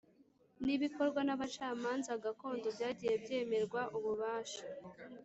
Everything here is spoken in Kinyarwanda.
N ibikorwa n abacamanza gakondo byagiye byemerwa ububasha